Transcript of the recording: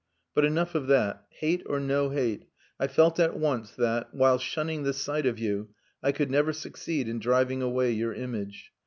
But enough of that. Hate or no hate, I felt at once that, while shunning the sight of you, I could never succeed in driving away your image.